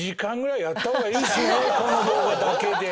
この動画だけで。